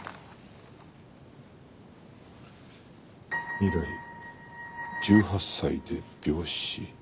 「未来１８歳で病死」。